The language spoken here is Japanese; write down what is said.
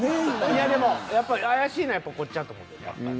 いやでもやっぱり怪しいのはこっちやと思うけどな。